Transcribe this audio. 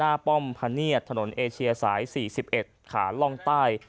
ป้อมพะเนียดถนนเอเชียสาย๔๑ขาล่องใต้